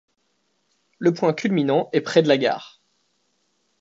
Le point culminant est près de la gare.